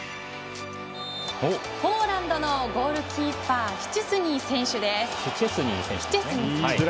ポーランドのゴールキーパーシュチェスニー選手です。